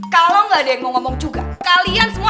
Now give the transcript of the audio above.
kalau nggak ada yang mau ngomong juga kalian semua